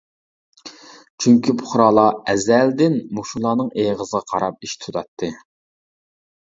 چۈنكى پۇقرالار ئەزەلدىن مۇشۇلارنىڭ ئېغىزىغا قاراپ ئىش تۇتاتتى.